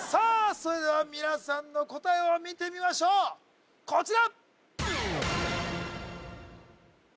それでは皆さんの答えを見てみましょうこちら！